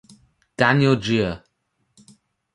Daniel Jiya.